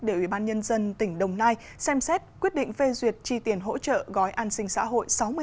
để ủy ban nhân dân tỉnh đồng nai xem xét quyết định phê duyệt chi tiền hỗ trợ gói an sinh xã hội